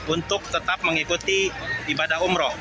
untuk tetap mengikuti ibadah umroh